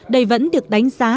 đây vẫn được đánh giá